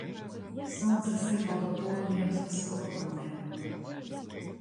Сонце сипало полум'ям з високого неба.